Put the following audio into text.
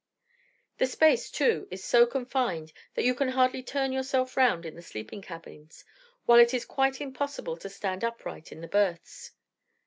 The space, too, is so confined, that you can hardly turn yourself round in the sleeping cabins, while it is quite impossible to stand upright in the berths.